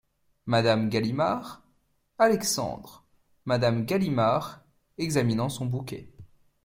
Madame Galimard, Alexandre Madame Galimard , examinant son bouquet.